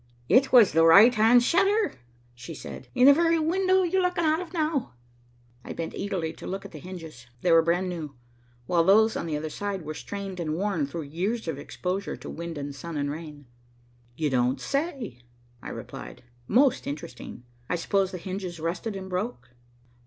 "It was the right hand shutter," she said, "in the very window you're looking out of now." I bent eagerly to look at the hinges. They were brand new, while those on the other side were strained and worn through years of exposure to wind and sun and rain. "You don't say," I replied. "Most interesting. I suppose the hinges rusted and broke."